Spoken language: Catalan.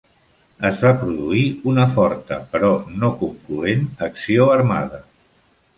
Es va produir una forta, però no concloent, acció armada.